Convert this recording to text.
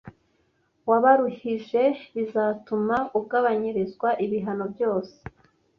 wabaruhije bizatuma ugabanyirizwa ibihano byose